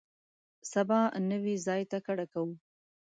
سبا نوي ځای ته کډه کوو.